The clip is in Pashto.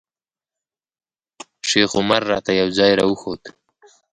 شیخ عمر راته یو ځای راوښود.